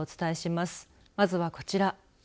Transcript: まずはこちら。